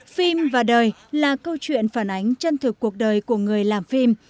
phim và đời là câu chuyện phản ánh chân thực cuộc đời của người làm phim